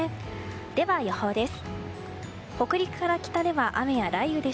では、予報です。